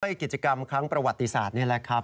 กิจกรรมครั้งประวัติศาสตร์นี่แหละครับ